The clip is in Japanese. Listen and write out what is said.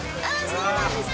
そうなんですか。